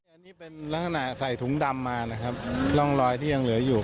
อันนี้เป็นลักษณะใส่ถุงดำมานะครับร่องรอยที่ยังเหลืออยู่